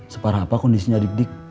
separa apa kondisinya dik dik